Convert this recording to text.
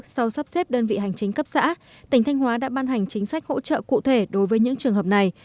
sau sắp xếp đơn vị hành chính cấp xã tỉnh thanh hóa đã ban hành chính sách hỗ trợ cụ thể đối với những trường hợp này